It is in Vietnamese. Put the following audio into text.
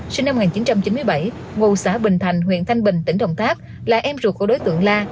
sinh năm một nghìn chín trăm chín mươi bảy ngụ xã bình thành huyện thanh bình tỉnh đồng tháp là em ruột của đối tượng la